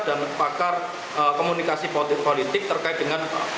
dan pakar komunikasi politik terkait dengan